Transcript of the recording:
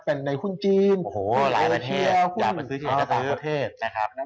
เป็นในหุ้นจีนหุ้นเอเทียหุ้นข้าวประเทศ